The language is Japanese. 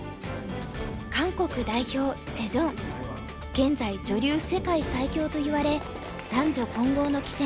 現在女流世界最強といわれ男女混合の棋戦